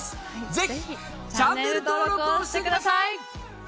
ぜひチャンネル登録をしてください！